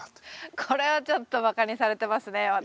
これはちょっと馬鹿にされてますね私。